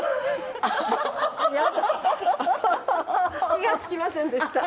気がつきませんでした。